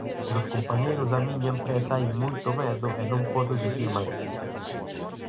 Nos compañeiros da miña empresa hai moito medo e non podo dicir mais.